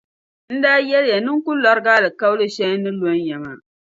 N daa yɛliya ni n ku lɔrigi alikauli shɛli n ni lɔn ya maa.